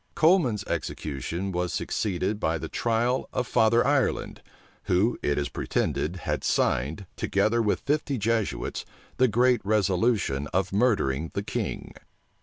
Coleman's execution was succeeded by the trial of Father Ireland, who, it is pretended, had signed, together with fifty Jesuits, the great resolution of murdering the king.